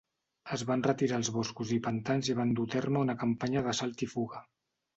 Es van retirar als boscos i pantans i van dur a terme una campanya d'assalt i fuga.